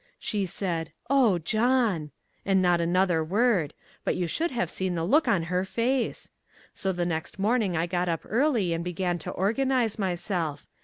She said, "Oh, John!" and not another word, but you should have seen the look on her face. So the next morning I got up early and began to organize myself.